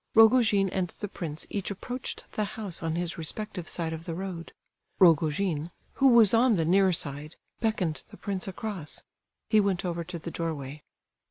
Rogojin and the prince each approached the house on his respective side of the road; Rogojin, who was on the near side, beckoned the prince across. He went over to the doorway.